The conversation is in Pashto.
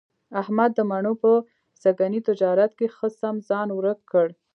احمد د مڼو په سږني تجارت کې ښه سم ځان ورک کړ.